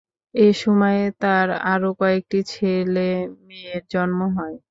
এ সময়ে তাঁর আরো করেকটি ছেলে-মেয়ের জন্ম হয়।